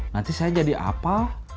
nanti saya jadi apa